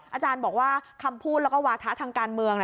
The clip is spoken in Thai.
อาจารย์บอกว่าคำพูดแล้วก็วาถะทางการเมือง